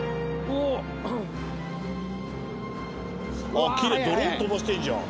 あっきれいドローン飛ばしてんじゃん。